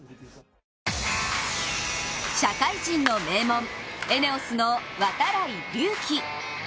社会人の名門・ＥＮＥＯＳの度会隆輝。